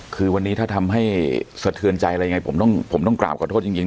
คือวันนี้ถ้าทำให้สะเทือนใจอะไรยังไงผมต้องกราบขอโทษจริง